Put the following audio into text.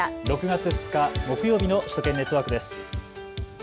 ６月２日木曜日の首都圏ネットワークです。